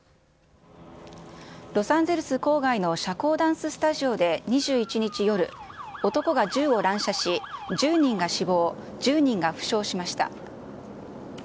ロサンゼルス郊外の社交ダンススタジオで２１日夜、男が銃を乱射し、１０人が死亡、１０人が負傷しました。